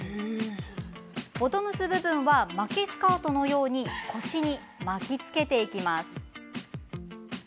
ボトムス部分は巻きスカートのように腰に巻きつけていきます。